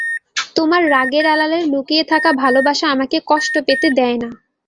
তোমার রাগের আড়ালে লুকিয়ে থাকা ভালোবাসা আমাকে কষ্ট পেতে দেয় না।